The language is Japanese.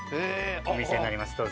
お店になりますどうぞ。